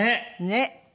ねっ！